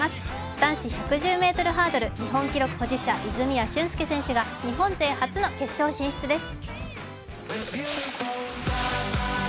男子１１０ｍハードル、日本記録保持者泉谷駿介選手が日本勢初の決勝進出です。